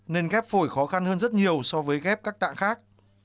nên ghép phổi khó khăn hơn rất nhiều so với ghép các tạng khác